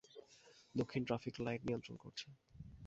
দক্ষিণ traffic light নিয়ন্ত্রণ করছে।